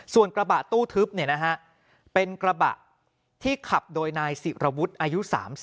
ส่วนกระบะตู้ทึบเนี่ยนะฮะเป็นกระบะที่ขับโดยนายศิรวรรษอายุ๓๐